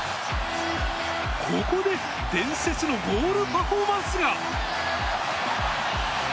ここで、伝説のゴールパフォーマンスが。